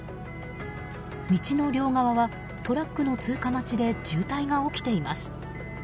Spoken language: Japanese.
道の両側はトラックの通過待ちで渋滞が起きています。